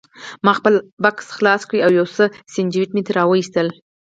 ما خپل بکس خلاص کړ او یو څو سنډوېچ مې ترې راوایستل.